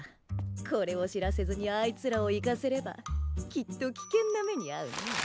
これを知らせずにあいつらを行かせればきっと危険な目にあうね。